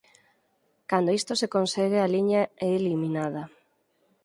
Cando isto se consegue a liña é eliminada.